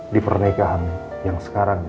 di pernikahan yang sekarang